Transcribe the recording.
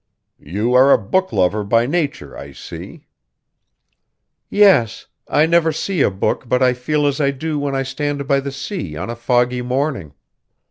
"You are a book lover by nature, I see." "Yes, I never see a book but I feel as I do when I stand by the sea on a foggy morning.